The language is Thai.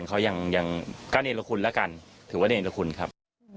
เขายังก็เนรคุณแล้วกันถือว่าเนรคุณครับ